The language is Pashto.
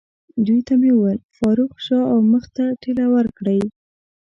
دوی ته مې وویل: فاروق، شا او مخ ته ټېله ورکړئ.